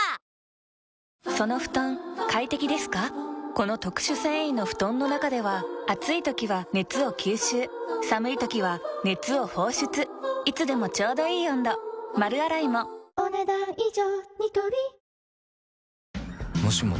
この特殊繊維の布団の中では暑い時は熱を吸収寒い時は熱を放出いつでもちょうどいい温度丸洗いもお、ねだん以上。